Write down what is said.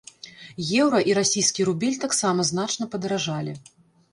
Еўра і расійскі рубель таксама значна падаражалі.